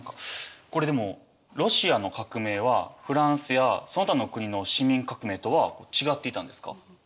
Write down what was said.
これでもロシアの革命はフランスやその他の国の市民革命とは違っていたんですか？